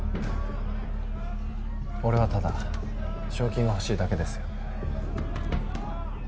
俺はただ賞金がほしいだけですよ。